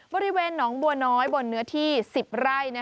บริเวณหนองบัวน้อยบนเนื้อที่๑๐ไร่